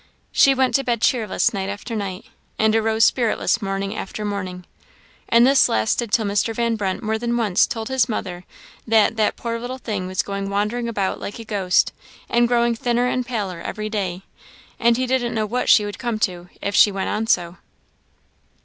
She went to bed cheerless night after night, and arose spiritless morning after morning; and this lasted till Mr. Van Brunt more than once told his mother that "that poor little thing was going wandering about like a ghost, and growing thinner and paler every day; and he didn't know what she would come to if she went on so."